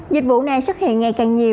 dịch vụ này xuất hiện ngày càng nhiều